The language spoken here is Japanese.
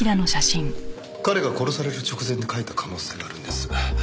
彼が殺される直前に書いた可能性があるんです。